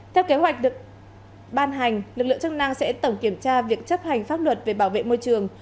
theo kế hoạch được ban hành lực lượng chức năng sẽ tổng kiểm tra việc chấp hành pháp luật về bảo vệ môi trường